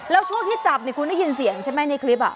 แล้วช่วงที่จับคุณได้ยินเสียงใช่ไหมในคลิป